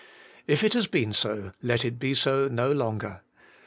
If it has been so, let it be so no longer.